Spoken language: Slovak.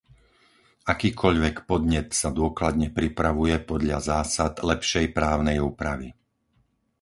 Akýkoľvek podnet sa dôkladne pripravuje podľa zásad lepšej právnej úpravy.